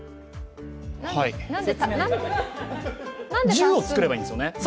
１０を作ればいいんですよね。